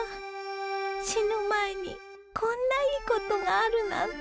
死ぬ前にこんないいことがあるなんて。